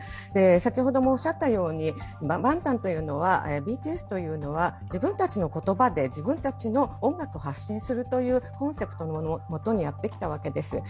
先ほどもおっしゃったようにＢＴＳというのは自分たちの言葉で、自分たちの音楽を発信するというコンセプトのもとにやってきたわけです。